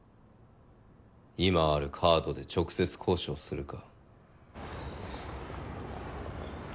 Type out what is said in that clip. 今あるカードで直接交渉するか。